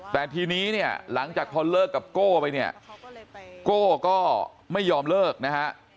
แต่ทีนี้เนี่ยหลังจากพอเลิกกับโก้ไปเนี่ยโก้ก็ไม่ยอมเลิกนะฮะ